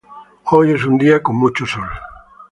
Hoy es un día con mucho sol.